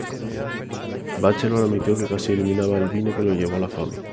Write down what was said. Bachelor admitió que casi eliminaba el vine que lo llevó a la fama.